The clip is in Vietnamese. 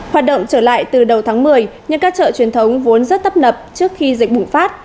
hoạt động trở lại từ đầu tháng một mươi nhưng các chợ truyền thống vốn rất tấp nập trước khi dịch bùng phát